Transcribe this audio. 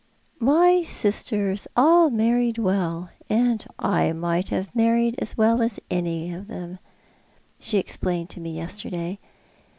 "My sisters all married well, and I might have married as well as any of them," she explained to me yesterday.